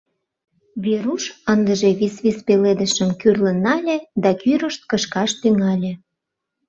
Веруш ындыже висвис пеледышым кӱрлын нале да кӱрышт кышкаш тӱҥале.